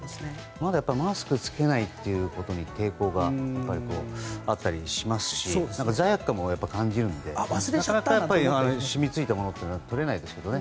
まだマスクを着けないということに抵抗があったりしますし罪悪感も感じるのでなかなか染みついたものってとれないですけどね。